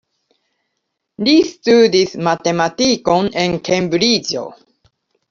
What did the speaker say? Li studis matematikon en Kembriĝo.